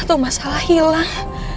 satu masalah hilang